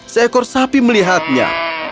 seekor sapi melihatnya